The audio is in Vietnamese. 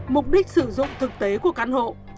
mục đích sử dụng thực tế của căn hộ